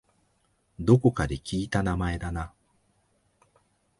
どこかで聞いた名前だな